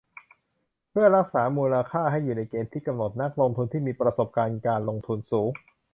เพื่อรักษามูลค่าให้อยู่ในเกณฑ์ที่กำหนด นักลงทุนที่มีประสบการณ์การลงทุนสูง